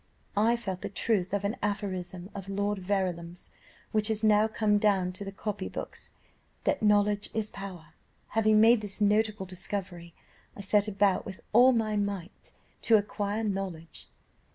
I felt the truth of an aphorism of Lord Verulam's, which is now come down to the copy books; that 'knowledge is power.' Having made this notable discovery, I set about with all my might to acquire knowledge.